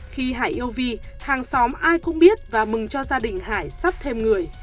khi hải yêu vi hàng xóm ai cũng biết và mừng cho gia đình hải sắp thêm người